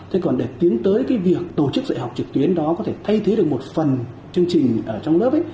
thế còn để tiến tới cái việc tổ chức dạy học trực tuyến đó có thể thay thế được một phần chương trình ở trong lớp ấy